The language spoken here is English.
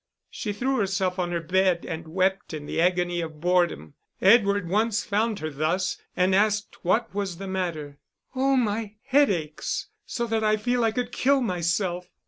She threw herself on her bed and wept in the agony of boredom. Edward once found her thus, and asked what was the matter. "Oh, my head aches, so that I feel I could kill myself."